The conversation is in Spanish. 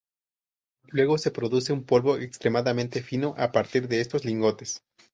Luego se produce un polvo extremadamente fino a partir de estos lingotes.